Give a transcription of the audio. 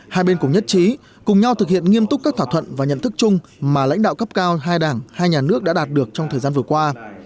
hai bên cũng nhất trí cùng nhau thực hiện nghiêm túc các thỏa thuận và nhận thức chung mà lãnh đạo cấp cao hai đảng hai nhà nước đã đạt được trong thời gian vừa qua